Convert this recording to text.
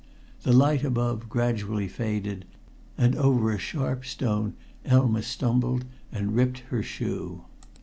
The light above gradually faded, and over a sharp stone Elma stumbled and ripped her shoe.